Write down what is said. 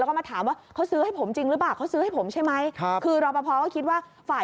แล้วก็มาถามว่าเขาซื้อให้ผมจริงหรือเปล่า